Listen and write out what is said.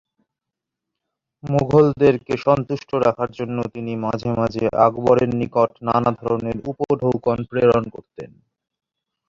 মুগলদেরকে তুষ্ট রাখার জন্য তিনি মাঝে মাঝে আকবরের নিকট নানা ধরনের উপঢৌকন প্রেরণ করতেন।